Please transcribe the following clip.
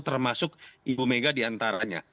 termasuk ibu mega di antaranya